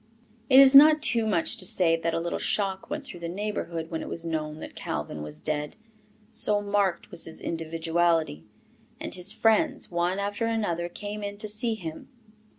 It is not too much to say that a little shock went through the neighbourhood when it was known that Calvin was dead, so marked was his individuality; and his friends, one after another, came in to see him.